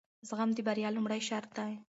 زغم د بریا لومړی شرط دی.